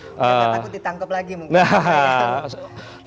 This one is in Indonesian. kita takut ditangkap lagi mungkin